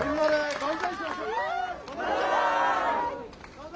万歳！